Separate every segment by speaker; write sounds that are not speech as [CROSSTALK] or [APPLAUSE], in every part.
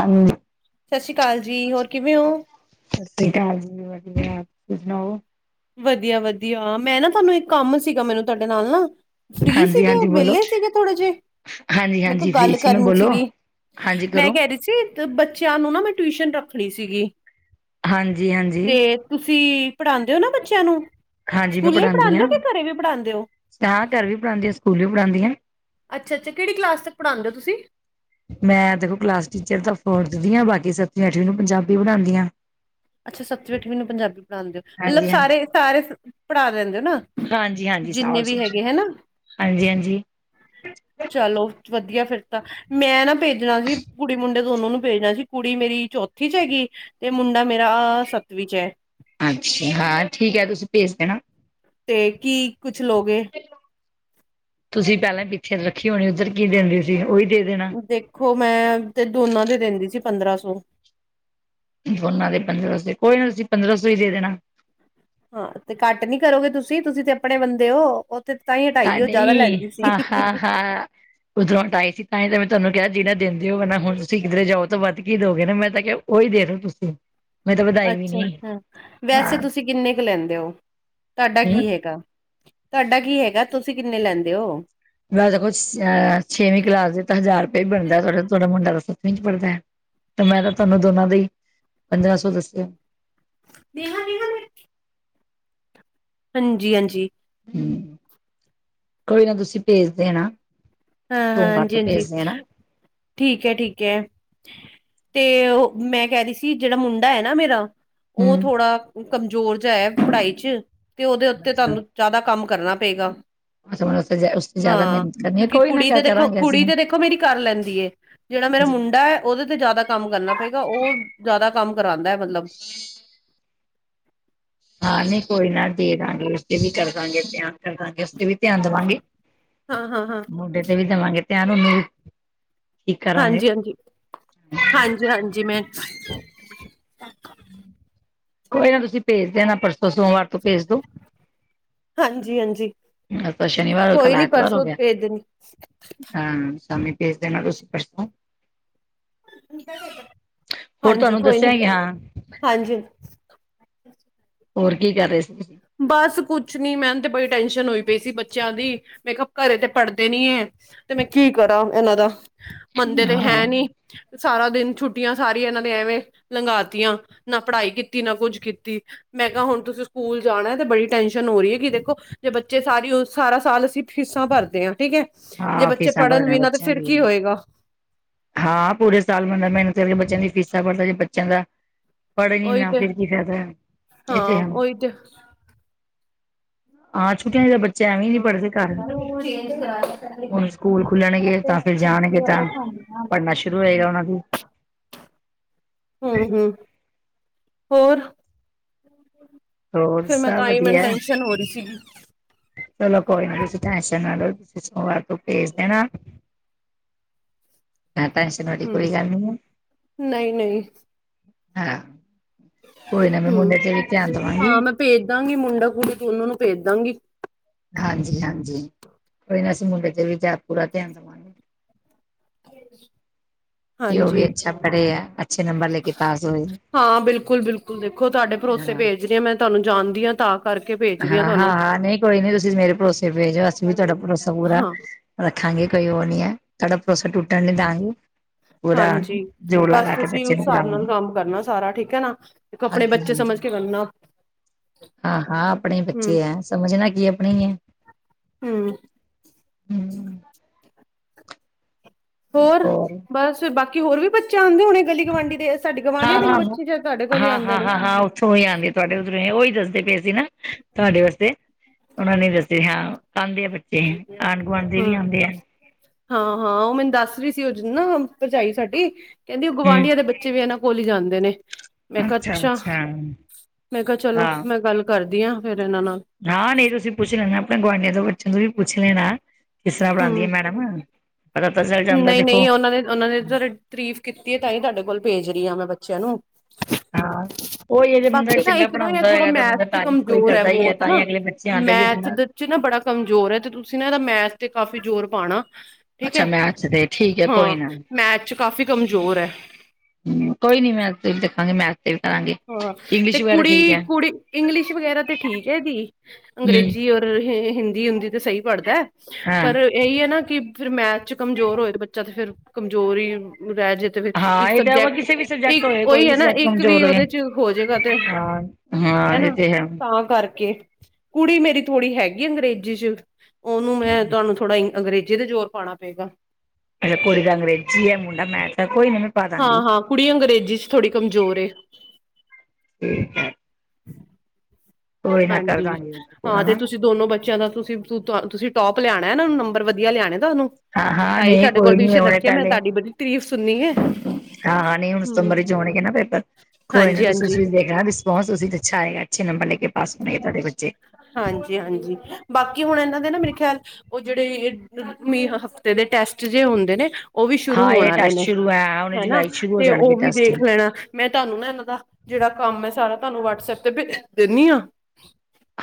Speaker 1: ਹਾਂਜੀ
Speaker 2: ਸਾਸਰੀ ਕਾਲ ਜੀ, ਹੋਰ ਕਿਵੇਂ ਔ?
Speaker 1: ਠੀਕ ਆ ਬਸ ਵਧੀਆ [UNINTELLIGIBLE] ਤੁਸੀ ਸੁਣਾਓ?
Speaker 2: ਵਧੀਆ-ਵਧੀਆ ਮੈਂ ਨਾ ਤੁਹਾਨੂੰ ਇੱਕ ਕੰਮ ਸੀਗਾ ਮੈਨੂੰ ਤੁਹਾਡੇ ਨਾਲ ਨਾ। ਫ੍ਰੀ
Speaker 1: ਹਾਂਜੀ
Speaker 2: ਸੀਗੇ?
Speaker 1: ਹਾਂਜੀ ਬੋਲੋ
Speaker 2: ਵੇਲੇ ਸੀਗੇ? ਥੋੜੇ ਜੈ,
Speaker 1: ਹਾਂਜੀ
Speaker 2: ਮੈ ਕੋਈ
Speaker 1: ਹਾਂਜੀ ਫ੍ਰੀ
Speaker 2: ਗੱਲ
Speaker 1: ਸੀ ਮੈਂ
Speaker 2: ਕਰਨੀ
Speaker 1: ਬੋਲੋ
Speaker 2: ਸੀਗੀ।
Speaker 1: ਹਾਂਜੀ
Speaker 2: ਮੈਂ
Speaker 1: ਕਰੋ
Speaker 2: ਕੈ ਰੀ ਸੀ ਤੇ ਬੱਚਆਂ ਨੂੰ ਨਾ ਮੈਂ ਟਯੂਸ਼ਨ ਰੱਖਣੀ ਸੀਗੀ
Speaker 1: ਹਾਂਜੀ ਹਾਂਜੀ
Speaker 2: ਤੇ, ਤੁਸੀਂ ਪੜ੍ਹਾਦੇ ਔ ਨਾ ਬੱਚਆਂ ਨੂੰ? ਸਕੂਲੇ ਈ ਪੜ੍ਹਾਦੇ ਔ, ਕੇ ਘਰੇ ਵੀ ਪੜ੍ਹਾਦੇ ਔ?
Speaker 1: ਹਾ ਘਰ ਵੀ ਪੜ੍ਹਦੇ ਸਕੂਲ਼ ਵੀ ਪੜ੍ਹਦੇ
Speaker 2: ਅੱਛ, ਅੱਛ ਕੇੜੀ ਕਲਾਸ ਤੱਕ ਪੜਾਦੇ ਔ ਤੁਸੀ?
Speaker 1: ਮੈਂ ਦੇਖੋ ਕਲਾਸ ਟੀਚਰ ਤਾਂ ਫੋਰਥ ਦੀ ਆ ਬਾਕੀ ਸੱਤਵੀਂ ਅੱਠਵੀਂ ਨੂੰ ਪੰਜਾਬੀ ਪੜਾਂਉਦੀ ਆ।
Speaker 2: ਅੱਛਾ ਸੱਤਵੀ ਅੱਠਵੀ ਨੂੰ ਪੰਜਾਬੀ ਪੜ੍ਹਾਂਦੇ ਉਹ, ਮਤਲਬ
Speaker 1: ਹਾਂਜੀ ਹਾਂਜੀ
Speaker 2: ਸਾਰੇ, ਸਾਰੇ ਪੜਾ ਲੈਂਦੇ ਹੋ ਨਾ।
Speaker 1: ਹਾਂਜੀ ਹਾਂਜੀ
Speaker 2: ਜਿੰਨੇ
Speaker 1: ਸਾਰ
Speaker 2: ਵੀ
Speaker 1: ਸਬਜੈਕਟ
Speaker 2: ਹੈਗੇ ਹੈਨਾ।
Speaker 1: ਹਾਂਜੀ, ਹਾਂਜੀ
Speaker 2: ਚਲੋ ਵਧੀਆ ਫਿਰ ਤਾਂ ਮੈਂ ਨਾ ਭੇਜਣਾ ਸੀ, ਕੁੜੀ ਮੁੰਡੇ ਦੋਨੋ ਨੂੰ ਭੇਜਣਾ ਸੀ ਕੁੜੀ ਮੇਰੀ ਚੌਥੀ 'ਚ ਹੈਗੀ ਤੇ ਮੁੰਡੇ ਮੇਰਾ ਸੱਤਵੀਂ 'ਚ ਐ।
Speaker 1: ਅੱਛਾ, ਹਾਂ ਠੀਕ ਹੈ ਤੁਸੀਂ ਭੇਜ ਦੇਣਾ
Speaker 2: ਤੇ ਕੀ ਕੁੱਛ ਲਉਗੇ
Speaker 1: ਤੁਸੀਂ ਪਹਿਲਾਂ ਪਿੱਛੇ ਰੱਖੀ ਹੋਣੀ ਉੱਧਰ ਕੀ ਦਿੰਦੇ ਸੀ ਉਹੀ ਦੇ ਦੇਣੇ।
Speaker 2: ਦੇਖੋ ਮੈਂ ਤੇ ਦੋਨਾਂ ਦੇ ਦਿੰਦੀ ਸੀ ਪੰਦਰਾਂ ਸੌ।
Speaker 1: ਦੋਨਾਂ ਦੇ ਪੰਦਰਾਂ ਸੌ, ਕੋਈ ਨਾ ਤੁਸੀਂ ਪੰਦਰਾਂ ਸੌ ਹੀ ਦੇ ਦੇਣਾ
Speaker 2: ਹਾਂ ਤੇ ਘੱਟ ਨੀ ਕਰੋਗੇ ਤੁਸੀਂ। ਤੁਸੀਂ ਤੇ ਆਪਣੇ ਬੰਦੇ ਹੋ। ਉੱਥੇ ਤਾਂ ਹੀ ਹਟਾਈ ਉਹ ਜ਼ਿਆਦਾ ਲੈਂਦੀ ਸੀ।
Speaker 1: ਉੱਧਰੋਂ ਹਟਾਈ ਸੀ ਤਾਂ ਹੀ ਤਾਂ ਮੈਂ ਤੁਹਾਨੂੰ ਕਿਹਾ ਜਿਹਨਾਂ ਦਿੰਦੇ ਹੋ ਨਾ ਹੁਣ ਤੁਸੀਂ ਕਿਧਰੇ ਜਾਓ ਤਾਂ ਵੱਧ ਕੇ ਦੋਗੇ ਨਾ ਮੈਂ ਤਾਂ ਕਿਹਾ ਉਹੀ ਦੇ ਰਹੇ ਤੁਸੀਂ ਮੈਂ ਤਾਂ ਵਧਾਈ ਵੀ ਨੀ
Speaker 2: ਅੱਛਾ, ਵੈਸੇ
Speaker 1: ਹਾਂ
Speaker 2: ਤੁਸੀਂ ਕਿੰਨੇ ਕੁ ਲੈਂਦੇ ਹੋ, ਤੁਹਾਡਾ
Speaker 1: ਹਮ
Speaker 2: ਕੀ ਹੈਗਾ ਤੁਹਾਡਾ ਕੀ ਹੈਗਾ ਤੁਸੀਂ ਕਿੰਨੇ ਲੈਂਦੇ ਹੋ
Speaker 1: ਮੈ ਤੇ ਬਸ, ਛੇਵੀਂ ਕਲਾਸ ਦੇ ਤਾਂ ਹਜ਼ਾਰ ਰੁਪਏ ਵੀ ਬਣਦਾ ਤੁਹਾਡਾ। ਤੁਹਾਡਾ ਮੁੰਡਾ ਤਾਂ ਸੱਤਵੀਂ 'ਚ ਪੜ੍ਹਦਾ ਹੈ ਤੇ ਮੈਂ ਤਾਂ ਤੁਹਾਨੂੰ ਦੋਨਾਂ ਦਾ ਹੀ ਪੰਦਰਾਂ ਸੌ ਦੱਸਿਆ
Speaker 2: [UNINTELLIGIBLE] ਹਾਂਜੀ, ਹਾਂਜੀ
Speaker 1: ਕੋਈ ਨਾ ਤੁਸੀਂ ਭੇਜ ਦੇਣਾ।
Speaker 2: ਹਾਂ- ਹਾਂ,
Speaker 1: ਸੋਮਵਾਰ
Speaker 2: ਹਾਂਜੀ-
Speaker 1: ਤੋਂ
Speaker 2: ਹਾਂਜੀ
Speaker 1: ਭੇਜ ਦੇਣਾ
Speaker 2: ਠੀਕ ਹੈ- ਠੀਕ ਹੈ। ਤੇ ਓਹ ਮੈਂ ਕਹਿ ਰਹੀ ਸੀ, ਜਿਹੜਾ ਮੁੰਡਾ ਹੈ ਨਾ ਮੇਰਾ। ਉਹ
Speaker 1: ਹਮ
Speaker 2: ਥੋੜਾ, ਕਮਜ਼ੋਰ ਜਿਹਾ ਏ ਪੜ੍ਹਾਈ 'ਚ, ਤੇ ਉਹਦੇ ਉੱਤੇ
Speaker 1: ਅੱਛਾ
Speaker 2: ਤੁਹਾਨੂੰ ਜ਼ਿਆਦਾ ਕੰਮ ਕਰਨਾ ਪਏਗਾ
Speaker 1: ਉਸ ਜ਼ਿਆਦਾ
Speaker 2: ਹਾਂ
Speaker 1: ਮਿਹਨਤ ਕਰਨੀ ਹੈ,
Speaker 2: ਕਿਉਂਕਿ
Speaker 1: ਕੋਈ। ਨਾ
Speaker 2: ਕੁੜੀ
Speaker 1: ਕਰ
Speaker 2: ਤੇ ਦੇਖੋ,
Speaker 1: ਕਰਾਂਗੇ ਅਸੀਂ
Speaker 2: ਕੁੜੀ ਤੇ ਦੇਖੋ ਮੇਰੀ ਕਰ ਲੈਂਦੀ ਹੈ ਏ, ਜਿਹੜਾ ਮੇਰਾ
Speaker 1: ਹਾਂਜੀ
Speaker 2: ਮੁੰਡਾ ਹੈ ਉਹਦੇ ਤੇ ਜ਼ਿਆਦਾ ਕੰਮ ਕਰਨਾ ਪਏਗਾ ਉਹ ਜ਼ਿਆਦਾ ਕੰਮ ਕਰਾਂਦਾ ਹੈ ਮਤਲਬ।
Speaker 1: [INAUDIBLE] ਹਾਂ ਨਹੀਂ ਕੋਈ ਨਾ ਦੇ ਦੇਂਗੇ ਅਸੀਂ ਵੀ ਕਰ ਦਵਾਂਗੇ ਧਿਆਨ ਕਰ ਦਾਂਗੇ ਅਸੀ ਤੇ ਵੀ ਧਿਆਨ ਦੇਵਾਂਗੇ।
Speaker 2: ਹਾਂ ਹਾਂ ਹਾਂ
Speaker 1: ਮੁੰਡੇ ਤੇ ਵੀ ਦੇਵਾਂਗੇ ਧਿਆਨ ਉਹਨੂੰ ਵੀ ਠੀਕ ਕਰਾਂਗੇ।
Speaker 2: ਹਾਂਜੀ- ਹਾਂਜੀ, ਹਾਂਜੀ- ਹਾਂਜੀ ਮੈਂ।
Speaker 1: ਕੋਈ ਨਾ ਤੁਸੀਂ ਭੇਜ ਦੇਣਾ ਪਰਸੋਂ ਸੋਮਵਾਰ ਤੋਂ ਭੇਜ ਦੋ।
Speaker 2: ਹਾਂਜੀ, ਹਾਂਜੀ
Speaker 1: ਅੱਜ ਤਾਂ ਸ਼ਨੀਵਾਰ ਹੋ ਕੱਲ
Speaker 2: ਕੋਈ ਨੀ,
Speaker 1: ਐਤਵਾਰ ਹੋ
Speaker 2: ਪਰਸੋਂ
Speaker 1: ਗਿਆ।
Speaker 2: ਭੇਜ ਦੇਣੀ
Speaker 1: ਹਾਂ ਸ਼ਾਮੀ ਭੇਜ ਦੇਣਾ ਤੁਸੀਂ ਪਰਸੋਂ ਹੋਰ
Speaker 2: ਹਾਂਜੀ
Speaker 1: ਤੁਹਾਨੂੰ
Speaker 2: ਕੋਈ ਨੀ
Speaker 1: ਦੱਸਿਆ ਈ ਹਾਂ।
Speaker 2: ਹਾਂਜੀ
Speaker 1: ਹੋਰ ਕੀ ਕਰ ਰਹੇ ਸੀ
Speaker 2: ਬਸ ਕੁਛ ਨੀ ਮੈਂਨੂੰ ਤੇ ਬੜੀ ਟੈਨਸ਼ਨ ਹੋਈ ਪਈ ਸੀ ਬੱਚਿਆਂ ਦੀ, ਮੈਂ ਕਿਹਾ ਘਰੇ ਤੇ ਪੜ੍ਹਦੇ ਨੀ ਹੈ ਤੇ ਮੈਂ ਕੀ ਕਰਾਂ ਇਹਨਾਂ ਦਾ, ਮੰਨਦੇ ਤੇ
Speaker 1: ਹਾਂ
Speaker 2: ਹੈ ਨੀ। ਸਾਰਾ ਦਿਨ ਛੁੱਟੀਆਂ, ਸਾਰੀਆਂ ਇਹਨਾਂ ਦੇ ਐਵੇਂ ਲੰਘਾਤੀਆਂ, ਨਾ ਪੜ੍ਹਾਈ ਕੀਤੀ ਨਾ ਕੁੱਝ ਕੀਤੀ, ਮੈਂ ਕਿਹਾ ਹੁਣ ਤੁਸੀਂ ਸਕੂਲ ਜਾਣਾ ਤੇ ਬੜੀ ਟੈਨਸ਼ਨ ਹੋ ਰਹੀ ਹੈ ਕਿ ਦੇਖੋ, ਜੇ ਬੱਚੇ ਸਾਰੀ ਸਾਰਾ ਸਾਲ ਅਸੀਂ ਫੀਸਾਂ ਭਰਦੇ ਹਾਂ ਠੀਕ ਹੈ। ਜੇ
Speaker 1: ਹਾਂ
Speaker 2: ਬੱਚੇ
Speaker 1: ਫੀਸਾਂ
Speaker 2: ਪੜਨ
Speaker 1: ਭਰਨੀਆਂ
Speaker 2: ਵੀ ਨਾ, ਤੇ
Speaker 1: ਬੱਚਿਆਂ
Speaker 2: ਫੇਰ
Speaker 1: ਦੀਆਂ
Speaker 2: ਕੀ ਹੋਏਗਾ।
Speaker 1: ਹਾਂ ਪੂਰੇ ਸਾਲ ਬੰਦਾ ਮਿਹਨਤ ਕਰਕੇ ਬੱਚਿਆਂ ਦੀ ਫੀਸਾਂ ਭਰਦਾ ਜੇ ਬੱਚਿਆਂ ਦਾ ਪੜ੍ਹਨ
Speaker 2: ਉਹੀ
Speaker 1: ਨਾ,
Speaker 2: ਤੇ
Speaker 1: ਫਿਰ ਕੀ ਫਾਇਦਾ, ਇਹ ਤੇ
Speaker 2: ਹਾਂ
Speaker 1: ਹੈ
Speaker 2: ਉਹੀ ਤੇ
Speaker 1: ਆ ਛੁੱਟੀਆਂ 'ਚ ਬੱਚਾ ਜੈਵੀਂ ਨੀ ਪੜਦੇ ਘਰ,
Speaker 2: ਹਮ
Speaker 1: ਹੁਣ ਸਕੂਲ ਖੁੱਲਣਗੇ ਤਾਂ ਫੇਰ ਜਾਣਗੇ ਤਾਂ।
Speaker 2: ਹਾਂਜੀ
Speaker 1: ਨਾ ਸੁਰੂ ਹੋਏਗਾ ਉਹਨਾਂ ਨੂੰ
Speaker 2: [UNINTELLIGIBLE] ਹੂੰ-ਹੂੰ, ਹੋਰ।
Speaker 1: ਹੋਰ
Speaker 2: ਫੇਰ ਮੈਂ
Speaker 1: ਸਭ
Speaker 2: ਤਾਂ ਹੀ ਮੈਨੂੰ
Speaker 1: ਵਧੀਆ
Speaker 2: ਟੈਂਸ਼ਨ ਹੋ ਰਹੀ ਸੀ।
Speaker 1: ਚਲੋ ਕੋਈ ਨੀ, ਤੁਸੀਂ ਟੈਂਸ਼ਨ ਨਾ ਲਓ ਤੁਸੀਂ ਸੋਮਵਾਰ ਤੋਂ ਭੇਜ ਦੇਣਾ। ਨਾ ਟੈਸ਼ਨਡ
Speaker 2: ਹਮ
Speaker 1: ਕੋਰੀ ਗੱਲ ਨਹੀਂ ਹੈ
Speaker 2: ਨਹੀਂ ਨਹੀਂ
Speaker 1: ਹਾਂ ਕੋਈ ਨਾ ਮੈਂ ਮੁੰਡੇ ਤੇ ਵੀ ਧਿਆਨ ਦੇਵਾਂਗੀ
Speaker 2: ਭੇਜਦਾਂਗੀ ਮੁੰਡਾ ਕੁੜੀ, ਦੋਨਾ ਨੂੰ ਭੇਜਦਾਂਗੀ
Speaker 1: ਹਾਂਜੀ-ਹਾਂਜੀ, ਕੋਈ ਨਾ ਅਸੀਂ ਮੁੰਡੇ ਤੇ ਵੀ ਪੂਰਾ ਧਿਆਨ ਦਵਾਂਗੇ।
Speaker 2: [INAUDIBLE]
Speaker 1: ਉਹ ਵੀ ਉਹ ਵੀ
Speaker 2: ਹਾਂਜੀ
Speaker 1: ਅੱਛਾ ਪੜ੍ਹੇ ਆ
Speaker 2: ਹਾਂ ਬਿਲਕੁਲ -ਬਿਲਕੁਲ, ਦੇਖੋ ਤੁਹਾਡੇ ਭਰੋਸੇ ਭੇਜ ਰਹੀ ਹਾਂ ਮੈਂ ਤੁਹਾਨੂੰ ਜਾਣਦੀ ਹਾਂ ਤਾਂ ਕਰਕੇ ਭੇਜ ਰਹੀ
Speaker 1: ਹਾਂ ਹਾਂ
Speaker 2: ਤੁਹਾਨੂੰ
Speaker 1: ਹਾਂ ਨਹੀਂ ਕੋਈ ਨੀ ਤੁਸੀਂ ਮੇਰੇ ਭਰੋਸੇ ਭੇਜ ਦਓ ਅਸੀਂ ਵੀ ਤੁਹਾਡਾ ਭਰੋਸਾ ਪੂਰਾ
Speaker 2: ਹਾਂ
Speaker 1: ਰੱਖਾਂਗੇ ਕੋਈ ਉਹ ਨੀ ਹੈ, ਤੁਹਾਡਾ ਭਰੋਸਾ ਟੁੱਟਣ ਲਦਾਂਗੇ
Speaker 2: ਹਾਂਜੀ, ਬਸ ਤੁਸੀਂ ਉਸ
Speaker 1: ਨੂੰ
Speaker 2: ਹਿਸਾਬ ਨਾਲ
Speaker 1: ਪੜਾਵਾਂਗੇ।
Speaker 2: ਕੰਮ ਕਰਨਾ ਸਾਰਾ, ਠੀਕ ਹੈ ਨਾ ਆਪਣੇ
Speaker 1: ਹਾਂਜੀ
Speaker 2: ਬੱਚੇ
Speaker 1: ਹਾਂਜੀ
Speaker 2: ਸਮਝ ਕੇ ਕਰਨਾ।
Speaker 1: ਹਾਂ, ਹਾਂ ਆਪਣੇ ਹੀ
Speaker 2: ਹੂੰ
Speaker 1: ਬੱਚੇ ਹੈ, ਸਮਝਣਾ ਕੀ, ਆਪਣੇ ਹੀ ਹੈ,
Speaker 2: ਹੂੰ
Speaker 1: ਹਮ
Speaker 2: ਹੋਰ, ਬਸ ਫਿਰ ਬਾਕੀ ਹੋਰ ਵੀ ਬੱਚੇ ਆਂਦੇ ਹੋਣੇ। ਗਲੀ ਗਵਆਂਢੀ ਦੇ ਹੈ, ਸਾਡੇ
Speaker 1: ਹਾਂ
Speaker 2: ਗਵਆਂਢੀਆਂ ਦੇ ਵੀ ਬੱਚੇ ਤਾਡੇ ਕੋਲ ਹੀ ਆਉਂਦੇ ਨੇ।
Speaker 1: ਸੋ ਈ ਆਂਦੀ ਤੁਹਾਡੇ ਉੱਧਰੋਂ ਉਹੀ ਦੱਸਦੇ ਪਏ ਸੀ ਨਾ, ਤੁਹਾਡੇ ਵਾਸਤੇ। ਉਹਨਾਂ ਨੇ ਦੱਸੇ ਹਾਂ, ਆਉਂਦੇ ਆ ਬੱਚੇ, ਆਂਢ ਗੁਆਂਢ ਦੇ ਵੀ ਆਉਂਦੇ ਆ
Speaker 2: ਹਾਂ-ਹਾਂ ਉਹ ਮੈਨੂੰ ਦੱਸ ਰਹੀ ਸੀ ਉਹ ਨਾ ਭਰਜਾਈ ਸਾਡੀ ਕਹਿੰਦੀ ਉਹ
Speaker 1: ਹਮ
Speaker 2: ਗੁਆਂਢੀਆਂ ਦੇ ਬੱਚੇ ਵੀ ਇਹਨਾਂ ਕੋਲ ਹੀ ਜਾਂਦੇ ਨੇ। ਮੈਂ ਕਿਹਾ ਅੱਛਾ, ਮੈਂ ਕਿਹਾ ਚਲੋ ਮੈਂ ਗੱਲ ਕਰਦੀ ਹਾਂ ਫਿਰ ਇਹਨਾਂ ਨਾਲ
Speaker 1: ਹਾਂ, ਨਹੀਂ ਤੁਸੀਂ ਪੁੱਛ ਲੈਣਾ ਆਪਣੇ ਗੁਆਂਢੀਆਂ ਦੇ ਬੱਚੇ ਤੋਂ ਵੀ ਪੁੱਛ ਲੈਣਾ ਕਿਸ ਤਰ੍ਹਾਂ ਪੜਾਉਂਦੀ ਆ
Speaker 2: ਹਮ
Speaker 1: ਮੈਡਮ ਪਤਾ ਤਾਂ ਚੱਲ ਜਾਂਦਾ
Speaker 2: ਨਹੀਂ- ਨਹੀਂ
Speaker 1: ਦੇਖੋ
Speaker 2: ਉਹਨਾਂ ਨੇ ਉਹਨਾਂ ਨੇ ਤੁ ਤਾਰੀਫ਼ ਕੀਤੀ ਹੈ। ਤਾਂਹੀ ਤੁਹਾਡੇ ਕੋਲ ਭੇਜ ਰਹੀ ਆ, ਮੈਂ ਬੱਚਿਆਂ ਨੂੰ।
Speaker 1: ਹਾਂ
Speaker 2: [UNINTELLIGIBLE]
Speaker 1: ਉਹੀ ਜੇ ਬੰਦਾ
Speaker 2: ਬਾਕੀ ਤਾਂ
Speaker 1: ਚੰਗਾ
Speaker 2: ਇੱਕ ਨਾ ਐ
Speaker 1: ਬਣਾਉਂਦਾ
Speaker 2: ਥੋੜਾ
Speaker 1: ਹੋਏਗਾ ਤਾਂ ਬੰਦਾ
Speaker 2: ਮੈਥ ਚ
Speaker 1: ਤਾਰੀਫ਼ ਕੋਈ
Speaker 2: ਕਮਜ਼ੋਰ ਹੈ
Speaker 1: ਕਰਦਾ ਹੀ
Speaker 2: ਬਹੁਤ
Speaker 1: ਤਾਂ ਹੀ
Speaker 2: ਨਾ।
Speaker 1: ਅਗਲੇ ਬੱਚੇ ਆਉਂਦੇ ਜੇ
Speaker 2: ਮੈਥ
Speaker 1: ਬੰਦਾ
Speaker 2: ਚ- 'ਚ ਨਾ ਬੜਾ ਕਮਜ਼ੋਰ ਹੈ ਤੇ ਤੁਸੀਂ ਨਾ ਇਹਦਾ ਮੈਥ ਤੇ ਕਾਫ਼ੀ ਜ਼ੋਰ ਪਾਉਣਾ ਠੀਕ
Speaker 1: ਅੱਛਾ
Speaker 2: ਹੈ
Speaker 1: ਮੈਂ।
Speaker 2: ਹਾਂ ਮੈਥ 'ਚ ਕਾਫੀ ਕਮਜ਼ੋਰ ਹੈ
Speaker 1: ਕੋਈ ਨੀ ਮੈਂ, ਦੇਖਾਂਗੀ ਮੈ। ਇਹ ਵੀ ਕਰਾਂਗੇ।
Speaker 2: ਹਾਂ ਤੇ
Speaker 1: ਇੰਗਲਿਸ਼ ਵਗੈਰਾ ਠੀਕ ਹੈ
Speaker 2: ਕੁੜੀ- ਕੁੜੀ ਇੰਗਲਿਸ਼ ਵਗੈਰਾ ਤੇ ਠੀਕ ਹੈ ਐਦੀ
Speaker 1: ਹਮ
Speaker 2: ਅੰਗਰੇਜ਼ੀ ਅ- [UNINTELLIGIBLE] ਹਿੰਦੀ-ਹੁੰਦੀ ਤੇ ਸਹੀ ਪੜ੍ਹਦਾ,
Speaker 1: ਹਾਂ
Speaker 2: ਪਰ ਇਹੀ ਹੈ ਨਾ ਕਿ ਫਿਰ ਮੈਥ 'ਚ ਕਮਜ਼ੋਰ ਹੋਏ ਬੱਚਾ ਤੇ ਫੇਰ ਕਮਜ਼ੋਰ ਹੀ ਕੋਈ ਰਹਿ ਜੇ ਤਾਂ ਫਿਰ
Speaker 1: ਹਾਂ
Speaker 2: ਇੱਕ
Speaker 1: ਇਹ ਤਾਂ
Speaker 2: ਸਬਜੈਕਟ,
Speaker 1: ਕਿਸੇ ਵੀ ਸਬਜੈਕਟ
Speaker 2: ਇੱਕ
Speaker 1: ਹੋਏ ਕੋਈ
Speaker 2: ਉਹੀ
Speaker 1: ਵੀ
Speaker 2: ਹੈ ਨਾ
Speaker 1: ਸਬਜੈਕਟ
Speaker 2: ਇੱਕ ਵੀ
Speaker 1: ਕਮਜ਼ੋਰ ਹੋਏ
Speaker 2: ਉਹਦੇ ਚਲ ਹੋ ਜਾਏਗਾ ਤੇ,
Speaker 1: ਹਾਂ ਹਾਂ
Speaker 2: ਹੈਨਾ
Speaker 1: ਇਹ ਤੇ ਹੈ
Speaker 2: ਹਾਂ ਕਰਕੇ, ਕੁੜੀ ਮੇਰੀ ਥੋੜ੍ਹੀ ਹੈਗੀ ਅੰਗਰੇਜ਼ੀ 'ਚ, ਉਹਨੂੰ ਮੈਂ ਤੁਹਾਨੂੰ ਥੋੜਾ ਅੰਗਰੇਜ਼ੀ ਦੇ ਜ਼ੋਰ ਪਾਉਣਾ ਪਏਗਾ।
Speaker 1: ਕੋਈ ਗਲ ਨਹੀ ਜੀ, ਐ ਮੁੰਡਾ ਮੈਥ ਕੋਈ ਨ
Speaker 2: ਹਾਂ, ਹਾਂ ਕੁੜੀ ਅੰਗਰੇਜ਼ੀ 'ਚ ਥੋੜ੍ਹੀ ਕਮਜ਼ੋਰ ਏ
Speaker 1: ਤੇ [UNINTELLIGIBLE] ਕਰ
Speaker 2: ਹਾਂਜੀ,
Speaker 1: ਦਾਂਗੀ ਉਹਦਾ ਪੂਰਾ
Speaker 2: ਹਾਂ ਤੇ
Speaker 1: ਨਾ
Speaker 2: ਤੁਸੀਂ ਦੋਨੋ ਬੱਚਿਆਂ ਦਾ ਤੁਸੀਂ ਤੁਸੀਂ ਟੋਪ ਲਿਆਣਾ ਉਹਨਾਂ ਨੂੰ ਨੰਬਰ ਵਧੀਆ ਲਿਆਣੇ ਤੁਹਾਨੂੰ।
Speaker 1: ਹਾਂ ਹਾਂ
Speaker 2: ਭਾਈ
Speaker 1: ਨਹੀਂ
Speaker 2: ਤੁਹਾਡੇ ਕੋਲ
Speaker 1: ਕੋਈ ਨੀ
Speaker 2: ਟਿਊਸ਼ਨ
Speaker 1: ਉਹਨੇ
Speaker 2: ਰੱਖੀ ਆ ਮੈਂ
Speaker 1: ਪਹਿਲੇ
Speaker 2: ਤੁਹਾਡੀ ਬੜੀ ਤਾਰੀਫ਼ ਸੁਣੀ ਹੈ
Speaker 1: ਹਾਂ, ਨਹੀਂ ਹੁਣ ਸਤੰਬਰ ਵਿੱਚ
Speaker 2: ਹਮ
Speaker 1: ਹੋਣਗੇ ਨਾ ਪੇਪਰ, ਕੋਈ ਨਾ
Speaker 2: ਹਾਂਜੀ ਹਾਂਜੀ
Speaker 1: ਤੁਸੀਂ ਦੇਖਣਾ ਰਿਸਪੋਂਸ। ਅੱਛਾ ਹੈਗਾ, ਅੱਛੇ ਨੰਬਰ ਲੈ ਕੇ ਪਾਸ ਹੋਣੇਗੇ ਤੁਹਾਡੇ ਬੱਚੇ।
Speaker 2: ਹਾਂਜੀ-ਹਾਂਜੀ, ਬਾਕੀ ਹੁਣ ਇਹਨਾਂ ਦੇ ਨਾ ਮੇਰੇ ਖਿਆਲ ਉਹ ਜਿਹੜੇ [UNINTELLIGIBLE] ਹਫਤੇ ਦੇ ਟੈਸਟ ਜੇ ਹੁੰਦੇ ਨੇ ਉਹ ਵੀ ਸ਼ੁਰੂ
Speaker 1: ਹਾਂ
Speaker 2: ਹੋਣ
Speaker 1: ਇਹ
Speaker 2: ਵਾਲੇ
Speaker 1: ਟੈਸਟ
Speaker 2: ਨੇ
Speaker 1: ਸ਼ੁਰੂ ਹੈ ਹੁਣ
Speaker 2: ਹੈਨਾ,
Speaker 1: ਜੁਲਾਈ ਚ ਸ਼ੁਰੂ ਹੋ
Speaker 2: ਤੇ
Speaker 1: ਜਾਣਗੇ
Speaker 2: ਉਹ ਵੀ
Speaker 1: ਟੈਸਟ
Speaker 2: ਵੇਖ ਲੈਣਾ। ਮੈਂ ਤੁਹਾਨੂੰ ਨਾ ਇਹਨਾਂ ਦਾ ਜਿਹੜਾ ਕੰਮ ਐ, ਸਾਰਾ ਤੁਹਾਨੂੰ ਵਟਸਐਪ ਤੇ ਭੇਜ ਦਿੰਨੀ ਆ।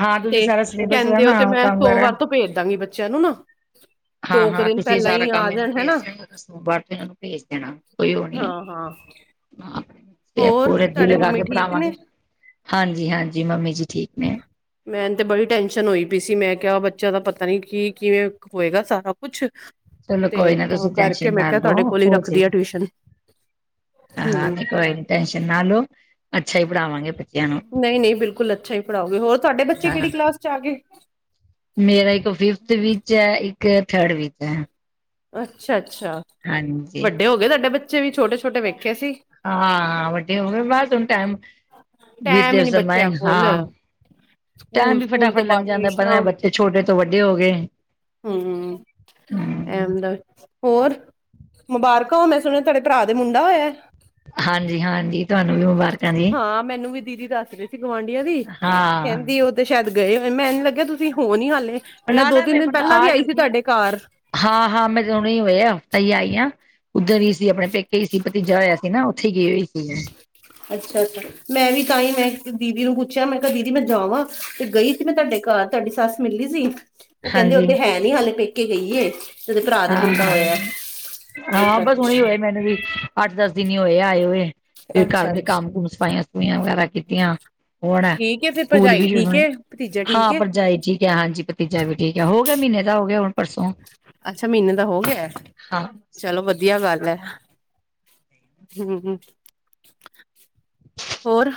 Speaker 1: ਹਾਂ ਤੁਸੀਂ
Speaker 2: ਤੇ,
Speaker 1: ਸਾਰਾ ਸਿਲੇਬਸ ਦਾ
Speaker 2: ਕਹਿੰਦੇ ਉਹ
Speaker 1: ਨਾ
Speaker 2: ਤੇ ਮੈਂ
Speaker 1: ਕੰਮ ਵਗੈਰਾ
Speaker 2: ਸੋਮਵਾਰ ਤੋਂ ਭੇਜ ਦਾਂਗੀ ਬੱਚਿਆਂ ਨੂੰ ਨਾ। ਦੋ ਕੁ
Speaker 1: ਹਾਂ-ਹਾਂ,
Speaker 2: ਦਿਨ
Speaker 1: ਤੁਸੀਂ
Speaker 2: ਪਹਿਲਾਂ
Speaker 1: ਸਾਰਾ
Speaker 2: ਹੀ
Speaker 1: ਕੰਮ
Speaker 2: ਆ
Speaker 1: ਮੈਨੂੰ
Speaker 2: ਜਾਣ ਹਨਾ
Speaker 1: ਭੇਜ ਦੇਣਾ ਤੇ, ਸੋਮਵਾਰ ਤੋਂ ਇਹਨਾਂ ਨੂੰ ਭੇਜ ਦੇਣਾ ਕੋਈ ਉਹ ਨੀ ਐ।
Speaker 2: ਹਾਂ ਹਾਂ।
Speaker 1: ਤੇ
Speaker 2: ਹੋਰ
Speaker 1: ਪੂਰੇ ਦਿਲ
Speaker 2: ਤੁਹਾਡੇ
Speaker 1: ਲਗਾ
Speaker 2: ਮੰਮੀ
Speaker 1: ਕੇ
Speaker 2: ਠੀਕ ਨੇ?
Speaker 1: ਪੜਾਵਾਂਗੇ। ਹਾਂਜੀ-ਹਾਂਜੀ, ਮੰਮੀ ਜੀ ਠੀਕ ਨੇ।
Speaker 2: ਮੈਨੂ ਤੇ ਬੜੀ ਟੈਂਨਸ਼ਨ ਹੋਈ ਪਈ ਸੀ, ਮੈਂ ਕਿਹਾ ਬੱਚਿਆਂ ਦਾ ਪਤਾ ਨੀ ਕੀ, ਕਿਵੇਂ ਹੋਏਗਾ ਸਾਰਾ ਕੁਛ।
Speaker 1: ਚਲੋ ਕੋਈ
Speaker 2: ਤੇ,
Speaker 1: ਨਾ
Speaker 2: ਤਾਂ
Speaker 1: ਤੁਸੀਂ
Speaker 2: ਕਰਕੇ
Speaker 1: ਟੈਨਸ਼ਨ
Speaker 2: ਮੈਂ
Speaker 1: ਨਾ
Speaker 2: ਕਿਹਾ ਤੁਹਾਡੇ
Speaker 1: ਲਓ
Speaker 2: ਕੋਲ ਹੀ
Speaker 1: ਹੋ
Speaker 2: ਰੱਖਦੀ ਆ
Speaker 1: ਜਾਏਗਾ
Speaker 2: ਟਿਊਸ਼ਨ।
Speaker 1: ਹਾਂ,
Speaker 2: ਹੂੰ।
Speaker 1: ਨਹੀਂ ਕੋਈ ਨਾ ਟੈਸ਼ਨ ਨਾ ਲਓ ਅੱਛਾ ਹੀ ਪੜ੍ਹਾਵਾਂਗੇ
Speaker 2: ਨਹੀਂ-ਨਹੀਂ, ਬਿਲਕੁਲ ਅੱਛਾ ਹੀ ਪੜ੍ਹਾਓਗੇ। ਹੋਰ ਤੁਹਾਡੇ ਬੱਚੇ ਕਿਹੜੀ
Speaker 1: ਹਾਂ
Speaker 2: ਕਲਾਸ ਚ ਆ ਗਏ?
Speaker 1: ਮੇਰਾ ਇੱਕ ਫਿਫਥ ਵਿੱਚ ਐ, ਇੱਕ ਥਰਡ ਵਿੱਚ ਐ।
Speaker 2: ਅੱਛਾ-ਅੱਛਾ,
Speaker 1: ਹਾਂਜੀ।
Speaker 2: ਵੱਡੇ ਹੋ ਗਏ ਤੁਹਾਡੇ ਬੱਚੇ ਵੀ, ਛੋਟੇ-ਛੋਟੇ ਵੇਖੇ ਸੀ।
Speaker 1: ਹਾਂ-ਹਾਂ, ਵਡੇ ਹੋ ਗਏ ਬਸ ਹੁਣ ਟਾਈਮ
Speaker 2: ਟੈਮ ਹੀ ਨੀ ਬੱਚਿਆਂ ਕੋਲ
Speaker 1: [UNINTELLIGIBLE] ਟਾਈਮ
Speaker 2: ਸਕੂਲ
Speaker 1: ਵੀ
Speaker 2: ਸਕੂਲ
Speaker 1: ਫਟਾਫਟ
Speaker 2: ਤੋਂ ਬਾਅਦ
Speaker 1: ਲੰਗ ਜਾਂਦਾ, ਪਤਾ
Speaker 2: ਟਿਊਸ਼ਨਾਂ
Speaker 1: ਨੀ ਬੱਚੇ ਛੋਟੇ ਤੋਂ ਵੱਡੇ ਹੋ ਗਏ।
Speaker 2: ਹੂੰਅਅ।
Speaker 1: ਹੂੰ,
Speaker 2: ਐਮ ਦਾ, ਹੋਰ ਮੁਬਾਰਕਾਂ ਮੈਂ ਸੁਣਿਆ ਤੁਹਾਡੇ ਭਰਾ ਦੇ ਮੁੰਡਾ ਹੋਇਆ।
Speaker 1: ਹਾਂਜੀ ਹਾਂਜੀ ਤੁਹਾਨੂੰ ਵੀ ਮੁਬਾਰਕਾਂ ਜੀ
Speaker 2: ਹਾਂ, ਮੈਨੂੰ ਵੀ ਦੀਦੀ ਦੱਸਦੇ ਸੀ ਗੁਆਂਢੀਆਂ ਦੀ।
Speaker 1: ਹਾਂ।
Speaker 2: ਕਹਿੰਦੀ ਉਹ ਤੇ ਸ਼ਾਇਦ ਗਏ ਹੋਏ, ਮੈਂਨੂੰ ਲੱਗਿਆ ਤੁਸੀਂ ਹੋ ਨੀ ਹਾਲੇ, ਮੈਂ ਦੋ-ਤਿੰਨ ਦਿਨ ਪਹਿਲਾਂ ਵੀ ਆਈ ਸੀ ਤੁਹਾਡੇ ਘਰ।
Speaker 1: ਹਾਂ-ਹਾਂ, [UNINTELLIGIBLE] ਹੋਇਆ ਹਫ਼ਤਾ ਹੀ ਆਈ ਹਾਂ, ਉੱਧਰ ਹੀ ਸੀ, ਆਪਣੇ ਪੇਕੇ ਹੀ ਸੀ, ਭਤੀਜਾ ਹੋਇਆ ਸੀ ਨਾ। ਉੱਥੇ ਗਈ ਹੋਈ ਸੀ ਮੈਂ।
Speaker 2: ਅੱਛਾ, ਅੱਛਾ। ਮੈਂ ਵੀ ਤਾਂ ਹੀ, ਮੈਂ ਦੀਦੀ ਨੂੰ ਪੁੱਛਿਆ, ਮੈਂ ਕਿਹਾ ਦੀਦੀ ਮੈਂ ਜਾਵਾਂ, ਤੇ ਗਈ ਤੀ ਮੈਂ ਤੁਹਾਡੇ ਘਰ ਤੁਹਾਡੀ ਸੱਸ ਮਿਲੀ ਗਈ ਸੀ, ਉਹ ਕਹਿੰਦੇ ਉਹ
Speaker 1: ਹਾਂਜੀ
Speaker 2: ਤੇ ਹੈ ਨੀ ਹਾਲੇ ਪੇਕੇ ਗਈ ਏ।
Speaker 1: ਹਾਂ-ਹਾਂ-ਹਾਂ,
Speaker 2: ਅੱਛਾ
Speaker 1: ਬਸ ਹਣੇ ਹੋਏ ਮੈਨੂੰ ਵੀ ਅੱਠ-ਦਸ ਦਿਨ ਹੋਏ ਆਏ ਹੋਏ, ਫਿਰ ਘਰ ਦੇ ਕੰਮ-ਕੁੰਮ, ਸਫਾਈਆਂ-ਸਫੁਈਆਂ ਵਗੈਰਾ ਕੀਤੀ ਤੀਆ, ਹੁਣ
Speaker 2: ਠੀਕ ਏ ਫਿਰ
Speaker 1: ਸਕੂਲ
Speaker 2: ਭਰਜਾਈ
Speaker 1: ਵੀ ਸ਼ੁਰੂ
Speaker 2: ਠੀਕ
Speaker 1: ਨੇ,
Speaker 2: ਏ ਭਤੀਜਾ ਠੀਕ
Speaker 1: ਹਾਂ
Speaker 2: ਏ
Speaker 1: ਭਰਜਾਇ ਜੀ। ਹਾਂਜੀ, ਭਤੀਜਾ ਵੀ ਠੀਕ ਹੈ, ਹੋ ਗਿਆ ਮਹੀਨੇ ਦਾ, ਹੋ ਗਿਆ ਹੁਣ ਪਰਸੋਂ।
Speaker 2: ਅੱਛਾ, ਮਹੀਨੇ ਦਾ ਹੋ ਗਿਆ,
Speaker 1: ਹਾਂ
Speaker 2: ਚਲੋ ਵ ਵਧੀਆ ਗੱਲ ਏ, ਹੂੰਅਅ ਹੋਰ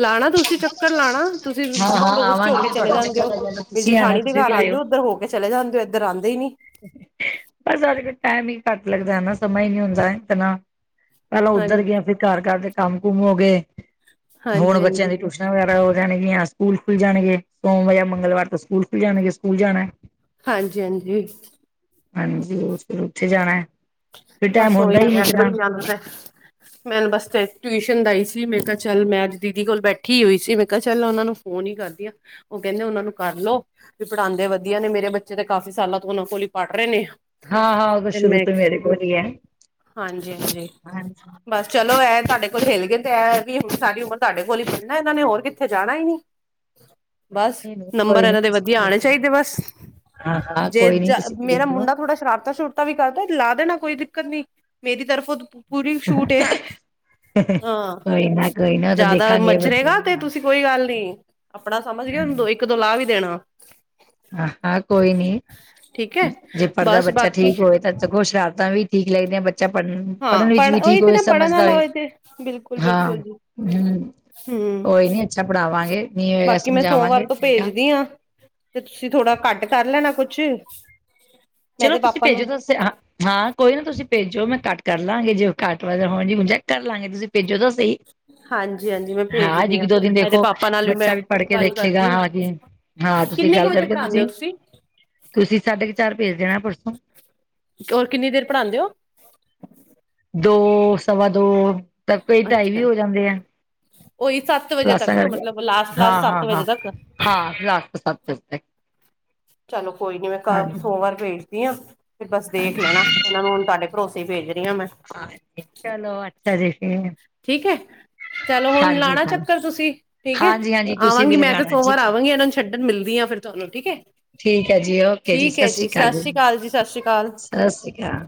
Speaker 2: ਲਾਣਾ ਤੁਸੀਂ ਚੱਕਰ, ਲਾਣਾ ਤੁਸੀਂ,
Speaker 1: ਹਾਂ ਹਾਂ
Speaker 2: ਪੜੋਸ ਚ ਹੋ
Speaker 1: ਆਵਾਂਗੇ
Speaker 2: ਕੇ
Speaker 1: ਜੇ
Speaker 2: ਚਲੇ
Speaker 1: ਤੁਹਾਡਾ
Speaker 2: ਜਾਂਦੇ ਹੋ,
Speaker 1: ਚੱਕਰ ਲੱਗਿਆ ਤਾਂ
Speaker 2: ਵੀ
Speaker 1: ਤੁਸੀਂ ਆਣਾ
Speaker 2: ਜੇਠਾਣੀ ਦੇ
Speaker 1: ਤੁਸੀਂ
Speaker 2: ਘਰ
Speaker 1: ਵੀ
Speaker 2: ਆਂਦੇ
Speaker 1: ਆਇਓ
Speaker 2: ਹੋ ਉੱਧਰ ਹੋ ਚਲੇ ਜਾਂਦੇ ਓ, ਇੱਧਰ ਆਂਦੇ ਈ ਨੀ।
Speaker 1: ਬਸ, ਅਜਕਲ ਟਾਈਮ ਹੀ ਘੱਟ ਲੱਗਦਾ ਨਾ, ਸਮਾਂ ਈ ਨਹੀਂ ਹੁੰਦਾ ਇਤਨਾ। ਪਹਿਲਾਂ
Speaker 2: ਹਾਂ
Speaker 1: ਉੱਧਰ ਗਿਆ, ਫਿਰ ਘਰ-ਘੁਰਦੇ ਕੰਮ-ਕੁਮ ਹੋ ਗਏ,
Speaker 2: ਹਾਂਜੀ
Speaker 1: ਹੁਣ ਬੱਚਿਆਂ
Speaker 2: ਹਾਂਜੀ
Speaker 1: ਦੀ ਟਿਊਸ਼ਨ ਵਗੈਰਾ ਹੋ ਜਾਣਗੀਆਂ, ਸਕੂਲ ਖੁੱਲ ਜਾਣਗੇ ਸੋਮਵਾਰ ਜਾਂ ਮੰਗਲਵਾਰ ਤੋਂ ਸਕੂਲ ਖੁੱਲ ਜਾਣਗੇ, ਸਕੂਲ ਜਾਣਾ।
Speaker 2: ਹਾਂਜੀ, ਹਾਂਜੀ।
Speaker 1: ਹਾਂਜੀ, ਉਹ ਫਿਰ ਉੱਥੇ ਜਾਣਾ ਐ।
Speaker 2: ਬਸ ਓਹੀ [UNINTELLIGIBLE] ਮੈਂਨੂੰ ਬਸ ਫਿਰ ਟਿਊਸ਼ਨ ਦਾਈ ਸੀ, ਮੈਂ ਕਿਹਾ, ਚੱਲ ਮੈਂ ਅੱਜ ਦੀਦੀ ਕੋਲ ਬੈਠੀ ਹੋਈ ਸੀ, ਮੈਂ ਕਿਹਾ, ਚੱਲ ਉਹਨਾਂ ਨੂੰ ਉਹ ਨੀ ਕਰਦੀਆ, ਉਹ ਕਹਿੰਦੇ ਉਹਨਾਂ ਨੂੰ ਕਰ ਲਓ। ਵੀ ਪੜ੍ਹਾਉਦੇ ਵਧੀਆ ਨੇ, ਮੇਰੇ ਬੱਚੇ ਤਾਂ ਕਾਫੀ ਸਾਲਾਂ ਤੋਂ ਉਹਨਾਂ ਕੋਲੀ ਈ ਪੜ੍ਹ ਰਹੇ ਨੇ।
Speaker 1: ਹਾਂ-ਹਾਂ, ਉਹ ਤਾਂ ਸ਼ੁਰੂ ਤੋਂ ਮੇਰੇ ਕੋਲ ਈ ਏ।
Speaker 2: ਹਾਂਜੀ-ਹਾਂਜੀ। ਬਸ, ਚਲੋ ਐ ਤੁਹਾਡੇ ਕੋਲ ਹਿਲ ਗਏ, ਤੇ ਐ ਵੀ ਹੁਣ ਸਾਰੀ ਉਮਰ ਤੁਹਾਡੇ ਕੋਲ ਹੀ ਪੜ੍ਹਨਾ ਇਹਨਾਂ ਨੇ, ਹੋਰ ਕਿੱਥੇ ਜਾਣਾ ਹੀ ਨੀ। ਬਸ,
Speaker 1: ਨਹੀਂ
Speaker 2: ਨੰਬਰ
Speaker 1: ਕੋਈ ਨੀ
Speaker 2: ਇਹਨਾਂ ਦੇ
Speaker 1: ਤੁਸੀਂ
Speaker 2: ਵਧੀਆ ਆਉਣੇ
Speaker 1: ਭੇਜੋ।
Speaker 2: ਚਾਹੀਦੇ, ਬਸ।
Speaker 1: ਹਾਂ ਹਾਂ
Speaker 2: ਜੇ
Speaker 1: ਕੋਈ ਨੀ
Speaker 2: ਜਾ
Speaker 1: ਤੁਸੀਂ
Speaker 2: ਮੇਰਾ
Speaker 1: ਭੇਜੋ।
Speaker 2: ਮੁੰਡਾ ਥੋੜਾ ਸ਼ਰਾਰਤਾ ਸ਼ ਸ਼ਰਾਰਤਾ ਵੀ ਕਰਦਾ, ਲਾ ਦੇਣਾ, ਕੋਈ ਦਿੱਕਤ ਨੀ, ਮੇਰੀ ਤਰਫ਼ੋਂ ਪੂਰੀ ਛੂਟ ਏ। ਹਾਂ
Speaker 1: ਕੋਈ ਨਾ ਕੋਈ ਨਾ ਉਹ ਤਾਂ
Speaker 2: ਜ਼ਿਆਦਾ
Speaker 1: ਦੇਖਾਂਗੇ ਬੱਚੇ
Speaker 2: ਮਛਰੇਗਾ ਤੇ ਤੁਸੀਂ ਕੋਈ ਗੱਲ ਨਹੀਂ। ਆਪਣਾ ਸਮਝ
Speaker 1: ਹਾਂ
Speaker 2: ਕੇ ਇੱਕ ਦੋ ਲਾਹ ਵੀ ਦੇਣਾ।
Speaker 1: ਹਾਂ ਹਾਂ ਕੋਈ ਨਹੀਂ
Speaker 2: ਠੀਕ ਹੈ
Speaker 1: ਜੇ ਪੜ੍ਹਦਾ
Speaker 2: ਬਸ
Speaker 1: ਬੱਚਾ
Speaker 2: ਬਾਕੀ
Speaker 1: ਠੀਕ ਹੋਏ ਤਾਂ ਸਗੋਂ ਸ਼ਰਾਤ ਤਾਂ ਵੀ ਠੀਕ ਲੱਗਦੀਆਂ ਬ ਬੱਚਾ ਪੜ੍ਹਨ
Speaker 2: ਹਾਂ
Speaker 1: ਪੜ੍ਹਨ ਵਿੱਚ
Speaker 2: ਪੜ੍ਹ
Speaker 1: ਵੀ ਠੀਕ
Speaker 2: ਉਹੀ ਤੇ
Speaker 1: ਹੋਏ
Speaker 2: ਨਾ ਪੜ੍ਹਨ
Speaker 1: ਸਮਝਦਾ
Speaker 2: ਵਾਲਾ
Speaker 1: ਹੋਏ
Speaker 2: ਤੇ ਬਿਲਕੁਲ
Speaker 1: ਹਾਂ
Speaker 2: ਬਿਲਕੁਲ ਜੀ
Speaker 1: ਹੂੰ।
Speaker 2: ਹਮ
Speaker 1: ਕੋਈ ਨਹੀਂ ਅੱਛਾ ਪੜ੍ਹਾਵਾਂਗੇ ਨਹੀਂ ਹੋਏਗਾ
Speaker 2: ਬਾਕੀ ਮੈਂ ਸੋਮਵਾਰ
Speaker 1: ਸਮਝਾਵਾਂਗੇ
Speaker 2: ਤੋਂ
Speaker 1: ਚੰਗਾ।
Speaker 2: ਭੇਜਦੀ ਹਾਂ ਤੇ ਤੁਸੀਂ ਥੋੜਾ ਘੱਟ ਕਰ ਲੈਣਾ ਕੁਛ। ਮੈਂ
Speaker 1: ਚਲੋ
Speaker 2: ਤੇ
Speaker 1: ਤੁਸੀਂ
Speaker 2: ਪਾਪਾ
Speaker 1: ਭੇਜੋ
Speaker 2: ਨੂੰ
Speaker 1: ਤਾਂ ਹਾਂ। ਹਾਂ ਕੋਈ ਨਾ ਤੁਸੀਂ ਭੇਜੋ ਮੈਂ ਘੱਟ ਕਰ ਲਵਾਂਗੇ। ਜੇ ਘੱਟ ਵੱਧ ਹੋਣ ਜੀ ਹੁਣ ਚੈੱਕ ਕਰ ਲਾਂਗੇ ਤੁਸੀਂ ਭੇਜੋ ਤਾਂ ਸਹੀ।
Speaker 2: ਹਾਂਜੀ ਹਾਂਜੀ ਮੈਂ
Speaker 1: ਹਾਂ ਅੱਜ
Speaker 2: ਭੇਜਦੀ
Speaker 1: ਇੱਕ ਦੋ ਦਿਨ
Speaker 2: ਇਹਦੇ
Speaker 1: ਦੇਖੋ
Speaker 2: ਪਾਪਾ ਨਾਲ ਮੈਂ
Speaker 1: ਬੱਚਾ ਵੀ ਪੜ੍ਹ ਕੇ
Speaker 2: ਗੱਲ
Speaker 1: ਦੇਖੇਗਾ
Speaker 2: ਕਰਦੀ
Speaker 1: ਹਾਂ ਜੀ। ਹਾਂ ਤੁਸੀਂ
Speaker 2: ਕਿੰਨੇ ਕੁ
Speaker 1: ਗੱਲ
Speaker 2: ਵਜੇ
Speaker 1: ਕਰਕੇ
Speaker 2: ਪੜ੍ਹਾਉਂਦੇ ਹੋ
Speaker 1: ਤੁਸੀਂ ਤੁਸੀਂ ਸਾਢੇ ਕੁ ਚਾਰ ਭੇਜ ਦੇਣਾ ਪਰਸੋਂ।
Speaker 2: ਹੋਰ ਕਿੰਨੀ ਦੇਰ ਪੜ੍ਹਾਉਂਦੇ ਹੋ?
Speaker 1: ਦੋ ਸਵਾ ਦੋ ਤਾਂ ਕਈ ਢਾਈ ਵੀ
Speaker 2: ਅੱਛਾ
Speaker 1: ਹੋ ਜਾਂਦੇ ਆ।
Speaker 2: ਉਹੀ ਸੱਤ ਵਜੇ
Speaker 1: ਕਲਾਸਾਂ
Speaker 2: ਤੱਕ
Speaker 1: ਕਰਕੇ
Speaker 2: ਮਤਲਬ ਲਾਸਟ ਲਾਸਟ
Speaker 1: ਹਾਂ
Speaker 2: ਸੱਤ
Speaker 1: ਹਾਂ ਹਾਂ
Speaker 2: ਵਜੇ ਤੱਕ
Speaker 1: ਹਾਂ ਰਾਤ ਤੋਂ ਸੱਤ ਵਜੇ ਤੱਕ।
Speaker 2: ਚਲੋ ਕੋਈ ਨਹੀਂ ਮੈਂ ਕ
Speaker 1: ਹਾਂਜੀ
Speaker 2: ਸੋਮਵਾਰ ਭੇਜ ਦੀ ਆਂ ਤੇ ਬੱਸ ਦੇਖ
Speaker 1: ਹਾਂਜੀ
Speaker 2: ਲੈਣਾ। ਇਹਨਾਂ ਨੂੰ ਹੁਣ ਤੁਹਾਡੇ ਭਰੋਸੇ ਹੀ ਭੇਜ ਰਹੀ ਹਾਂ ਮੈਂ।
Speaker 1: ਚਲੋ ਅੱਛਾ ਜੀ ਠੀਕ ਐ।
Speaker 2: ਠੀਕ ਹੈ ਚਲੋ ਹੁਣ ਲਾਉਣਾ ਚੱਕਰ ਤੁਸੀਂ ਠੀਕ ਹੈ
Speaker 1: ਹਾਂਜੀ ਹਾਂਜੀ ਤੁਸੀਂ ਵੀ
Speaker 2: ਆਵਾਂਗੀ ਮੈਂ ਤੇ
Speaker 1: ਲਗਾਉਣਾ ਜੀ
Speaker 2: ਸੋਮਵਾਰ ਆਵਾਂਗੀ ਇਹਨਾਂ ਨੂੰ ਛੱਡਣ ਮਿਲਦੀ ਹਾਂ ਫਿਰ। ਚਲੋ ਠੀਕ ਹੈ।
Speaker 1: ਠੀਕ ਹੈ ਜੀ ਓਕੇ
Speaker 2: ਠੀਕ ਹੈ
Speaker 1: ਸ਼੍ਰੀ
Speaker 2: ਜੀ ਸਤਿ ਸ੍ਰੀ ਅਕਾਲ ਜੀ, ਸਤਿ ਸ਼੍ਰੀ ਅਕਾਲ।
Speaker 1: ਸਤਿ ਸ੍ਰੀ ਅਕਾਲ।